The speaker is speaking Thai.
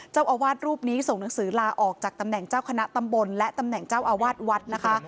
เจ้าอาวาสรูปนี้ส่งหนังสือลาออกจากตำแหน่งเจ้าคณะตำบลและตำแหน่งเจ้าอาวาสวัดนะคะ